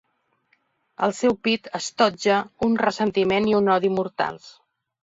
El seu pit estotja un ressentiment i un odi mortals.